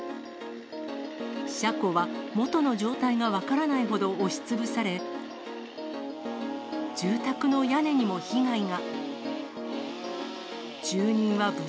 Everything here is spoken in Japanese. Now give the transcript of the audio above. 車庫は元の状態が分からないほど押しつぶされ、住宅の屋根にも被害が。